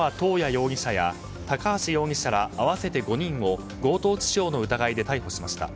容疑者や高橋容疑者ら合わせて５人を強盗致傷の疑いで逮捕しました。